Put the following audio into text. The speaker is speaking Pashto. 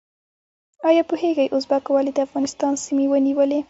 ایا پوهیږئ ازبکو ولې د افغانستان سیمې ونیولې؟